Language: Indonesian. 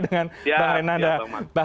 dengan bang renanda